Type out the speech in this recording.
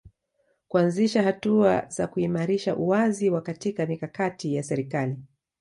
Kuanzisha hatua za kuimarisha uwazi wa katika mikakati ya serikali